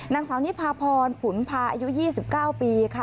นางสาวนิพาพรขุนพาอายุ๒๙ปีค่ะ